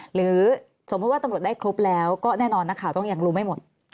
หรือสมมุติว่าตำรวจได้ครบแล้วก็แน่นอนนักข่าวต้องยังรู้ไม่หมด